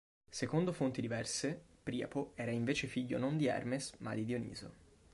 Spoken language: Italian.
Secondo fonti diverse, Priapo era invece figlio non di Hermes ma di Dioniso.